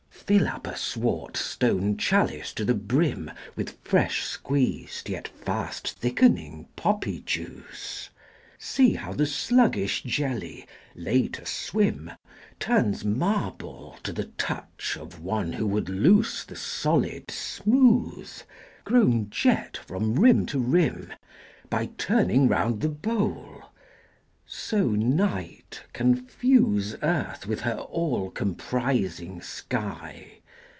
Fill up a swart stone chalice to the brim With fresh squeezed yet fast thickening poppy juice: See how the sluggish jelly, late a swim, Turns marble to the touch of who would loose The solid smooth, grown jet from rim to rim, By turning round the bowl! So night can fuse Earth with her all comprising sky.